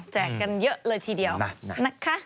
แจกกันเยอะเลยทีเดียวน่ะครับ